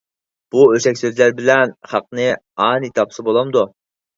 بۇ ئۆسەك سۆزلەر بىلەن خەقنى ئانىي تاپسا بولامدۇ؟